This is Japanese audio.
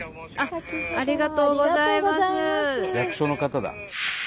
役所の方だ。